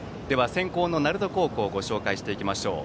先攻の鳴門高校をご紹介していきましょう。